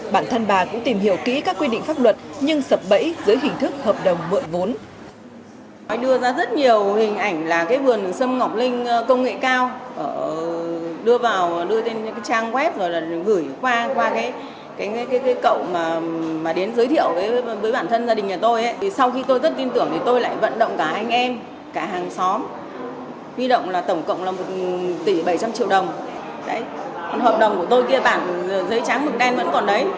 bản thân bà cũng tìm hiểu kỹ các quy định pháp luật nhưng sập bẫy dưới hình thức hợp đồng mượn vốn